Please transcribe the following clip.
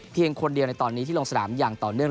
คนเดียวในตอนนี้ที่ลงสนามอย่างต่อเนื่อง